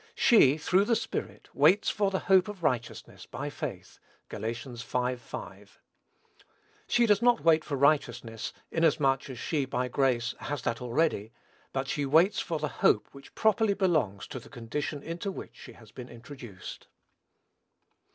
She, "through the Spirit, waits for the hope of righteousness by faith." (Gal. v. 5.) She does not wait for righteousness, inasmuch as she, by grace, has that already; but she waits for the hope which properly belongs to the condition into which she has been introduced.